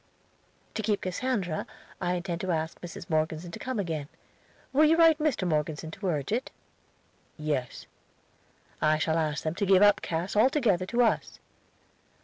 "To keep Cassandra, I intend to ask Mrs. Morgeson to come again. Will you write Mr. Morgeson to urge it?" "Yes." "I shall ask them to give up Cass altogether to us."